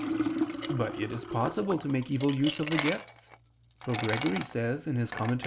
But it is possible to make evil use of the gifts, for Gregory says (Moral.